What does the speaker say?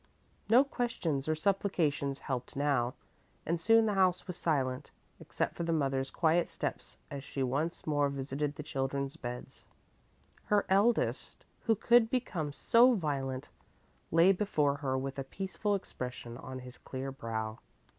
No questions or supplications helped now, and soon the house was silent, except for the mother's quiet steps as she once more visited the children's beds. Her eldest, who could become so violent, lay before her with a peaceful expression on his clear brow.